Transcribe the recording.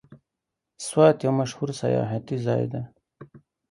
سوات یو مشهور سیاحتي ځای دی.